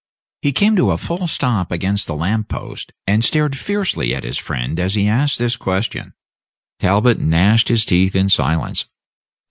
He came to a full stop against a lamp post, and stared fiercely at his friend as he asked this question. Talbot gnashed his teeth in silence.